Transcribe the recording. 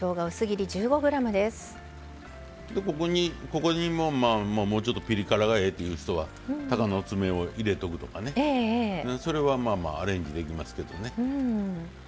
ここにももうちょっとピリ辛がええっていう人はたかのつめを入れとくとかねそれはアレンジできますけどもね。